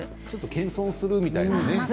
ちょっと謙遜するみたいなね